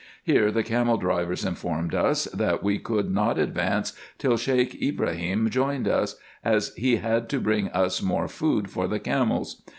Here the camel drivers informed us, that we could not advance till Sheik Ibrahim joined us, as he had to bring us more food for the camels.